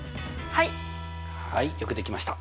はい。